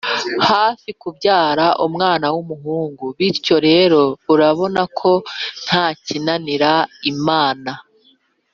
Hafi kubyara umwana w umuhungu bityo rero urabona ko nta kinanira imana